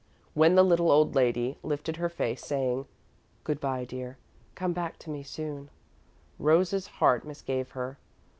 When the little old lady lifted her face, saying: "Good bye, dear, come back to me soon," Rose's heart misgave her.